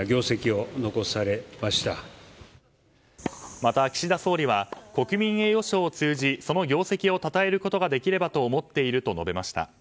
また、岸田総理は国民栄誉賞を通じその業績をたたえることができればと思っていると述べました。